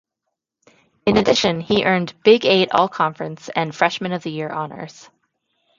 In addition, he earned Big Eight all-conference and 'Freshman of the Year' honors.